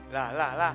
lah lah lah